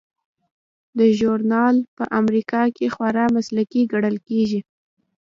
دا ژورنال په امریکا کې خورا مسلکي ګڼل کیږي.